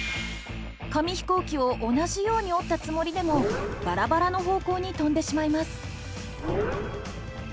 紙飛行機を同じように折ったつもりでもバラバラの方向に飛んでしまいます。